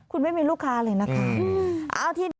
คุณไม่มีลูกค้าเลยนะคะ